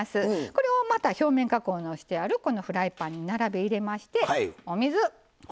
これをまた表面加工のしてあるフライパンに並べ入れましてお水。